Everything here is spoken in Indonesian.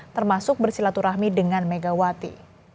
termasuk bersilaturahmi dengan megawati